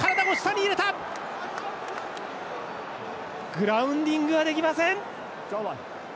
グラウンディングはできません。